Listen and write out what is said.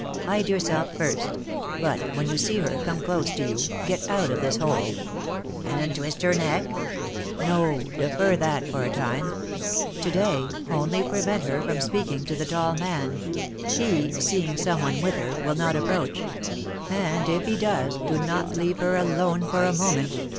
Hide yourself first; but, when you see her come close to you, get out of this hole " "And twist her neck?" "No, defer that for a time. To day, only prevent her from speaking to the tall man. He, seeing some one with her, will not approach; and if he does, do not leave her alone for a moment.